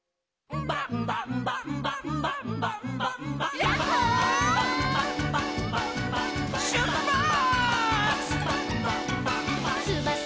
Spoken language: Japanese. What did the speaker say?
「ンバンバンバンバンバンバンバンバ」「」「」「」